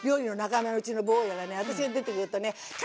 私が出てくるとね